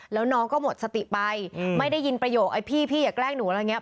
แล้วน้องก็หมดสติไปไม่ได้ยินประโยคไอ้พี่พี่อย่าแกล้งหนูอะไรอย่างนี้